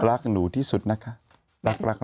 รักหนูที่สุดนะคะ